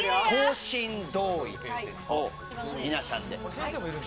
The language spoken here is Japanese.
皆さんで。